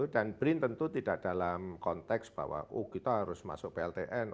dan brinten itu tidak dalam konteks bahwa oh kita harus masuk pltn